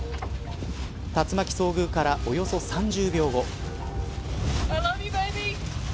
竜巻遭遇からおよそ３０秒後。